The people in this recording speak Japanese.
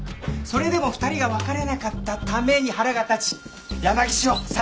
それでも２人が別れなかったために腹が立ち山岸を殺害した！